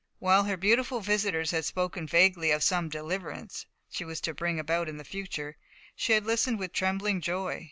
While her beautiful visitors had spoken vaguely of some "deliverance" she was to bring about in the future, she had listened with trembling joy.